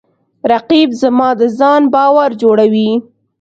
رقیب زما د ځان باور جوړوي